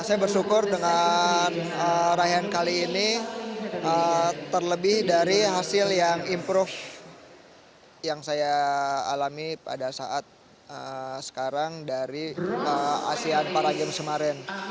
saya bersyukur dengan raihan kali ini terlebih dari hasil yang improve yang saya alami pada saat sekarang dari asian paralympic semarin